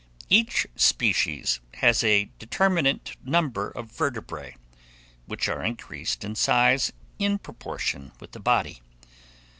Each species has a determinate number of vertebrae, which are increased in size in proportion with the body.